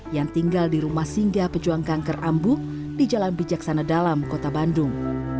yang tinggal di rumah singgah pejuang kanker ambu di jalan bijaksana dalam kota bandung